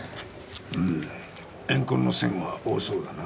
うん怨恨の線は多そうだな。